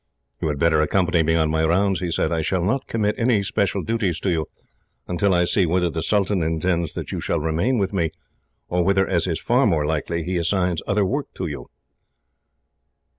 "You had better accompany me on my rounds," he said. "I shall not commit any special duties to you, until I see whether the sultan intends that you shall remain with me, or whether, as is far more likely, he assigns other work to you.